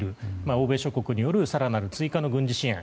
欧米諸国による更なる追加の軍事支援。